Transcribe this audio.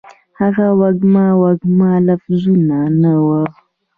هغه وږمه، وږمه لفظونه ، نه وه